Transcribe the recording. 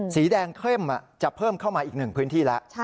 สีแดงเข้มจะเพิ่มเข้ามาอีก๑พื้นที่ละ